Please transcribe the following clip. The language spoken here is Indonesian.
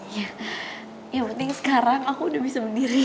ya yang penting sekarang aku udah bisa berdiri